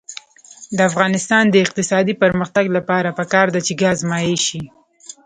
د افغانستان د اقتصادي پرمختګ لپاره پکار ده چې ګاز مایع شي.